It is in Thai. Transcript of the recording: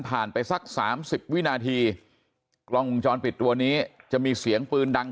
ไปสักสามสิบวินาทีกล้องวงจรปิดตัวนี้จะมีเสียงปืนดัง